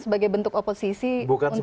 sebagai bentuk oposisi untuk memberikan kritik